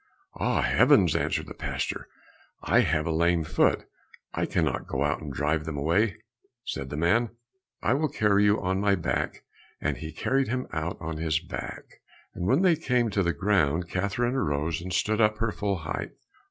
"Ah, heavens," answered the pastor, "I have a lame foot, I cannot go out and drive him away." Said the man, "Then I will carry you on my back," and he carried him out on his back. And when they came to the ground, Catherine arose and stood up her full height.